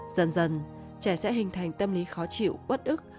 dần dần trẻ sẽ hình thành tâm lý khó chịu bất ức